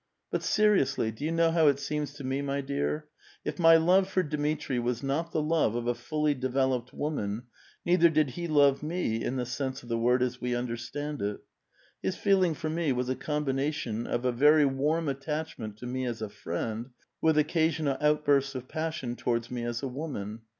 But seriously, do you know how it seems to me, mv dear? If mv love for Dmitri was not the love of a fully developed woman, neither did he love me in the sense of the word as we understand it. His feel ing for me was a combination of a very warm attachment to me as a friend, with occasional outbursts of passion towards me as a woman.